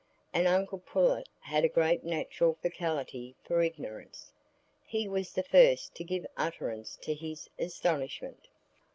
And uncle Pullet had a great natural faculty for ignorance. He was the first to give utterance to his astonishment.